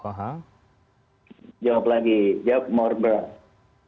jawab lagi jog morbror